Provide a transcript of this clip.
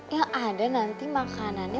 ya ada nanti makanannya